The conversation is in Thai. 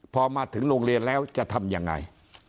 พอมาถึงโรงเรียนแล้วจะทำยังไง